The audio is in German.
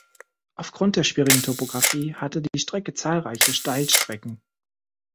Aufgrund der schwierigen Topographie hatte die Strecke zahlreiche Steilstrecken.